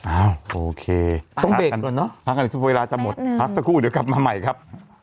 โอเคต้องเบรกกันก่อนเนอะพักกันเวลาจะหมดพักสักครู่เดี๋ยวกลับมาใหม่ครับ